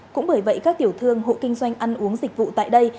cũng bởi vậy các tiểu thương hộ kinh doanh ăn uống dịch vụ tại đây